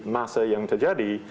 masa yang terjadi